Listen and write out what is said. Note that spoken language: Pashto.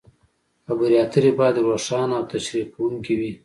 خبرې اترې باید روښانه او تشریح کوونکې وي.